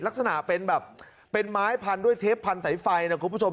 ลักษณะเป็นแบบเป็นไม้พันด้วยเทปพันธุ์สายไฟนะคุณผู้ชม